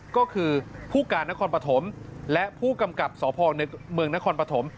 ก็คือผู้การนครปฐมและผู้กำกับสพเมืองนครปฐม